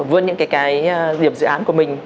vươn những cái điểm dự án của mình